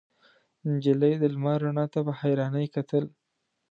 نجلۍ د لمر رڼا ته په حيرانۍ کتل.